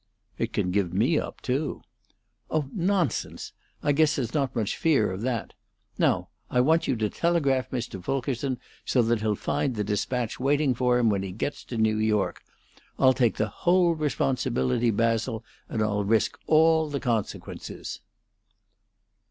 "It can give me up, too." "Oh, nonsense! I guess there's not much fear of that. Now, I want you to telegraph Mr. Fulkerson, so that he'll find the despatch waiting for him when he gets to New York. I'll take the whole responsibility, Basil, and I'll risk all the consequences."